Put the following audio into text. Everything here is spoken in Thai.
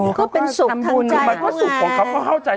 เนี้ยก็เป็นสุขทำบุญคือหมายว่าสุขของเขาเขาเข้าใจ